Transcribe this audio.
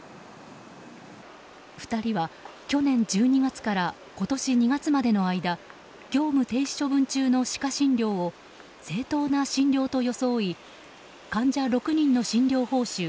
２人は去年１２月から今年２月までの間業務停止処分中の歯科診療を正当な診療と装い患者６人の診療報酬